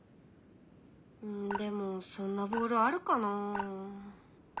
うんでもそんなボールあるかなあ？